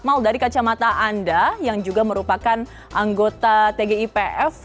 mal dari kacamata anda yang juga merupakan anggota tgipf